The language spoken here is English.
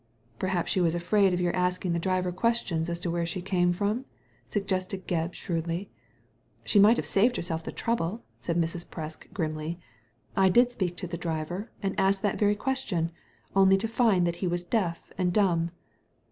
" Perhaps she was afraid of your asking the driver questions as to where she came from?" suggested Gebb, shrewdly. " She might have saved herself the trouble/' said Mrs. Presk, grimly. " I did speak to the driver, and asked that very question, only to find that he was deaf and dumb."